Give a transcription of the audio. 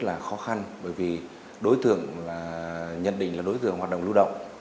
vì đặc biệt vụ này thì rất là khó khăn bởi vì đối tượng nhận định là đối tượng hoạt động lưu động